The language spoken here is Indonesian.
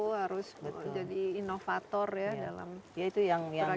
harus menjadi inovator ya dalam berbagai hal